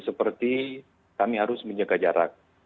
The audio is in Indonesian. seperti kami harus menjaga jarak